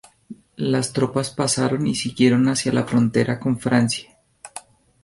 Las tropas pasaron y siguieron hacia la frontera con Francia.